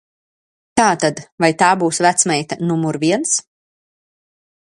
Tātad, vai tā būs vecmeita numur viens?